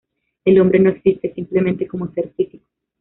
El hombre no existe simplemente como ser físico.